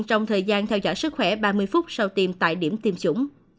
trong thời gian theo dõi sức khỏe ba mươi phút sau tiêm tại điểm tiêm chủng